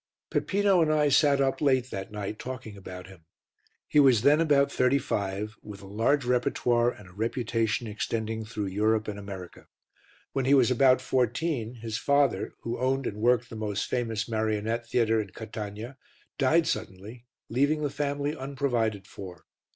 Peppino and I sat up late that night talking about him. He was then about thirty five, with a large repertoire and a reputation extending through Europe and America. When he was about fourteen his father, who owned and worked the most famous marionette theatre in Catania, died suddenly, leaving the family unprovided for.